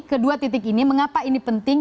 kedua titik ini mengapa ini penting